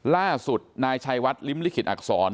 ล่าสุดนายชัยวัดลิ้มลิขิตอักษร